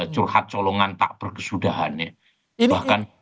curhat colongan tak berkesudahannya